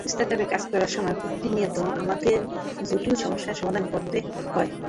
স্টার্টআপে কাজ করার সময় প্রতিনিয়ত আমাদের জটিল সমস্যার সমাধান করতে হয়।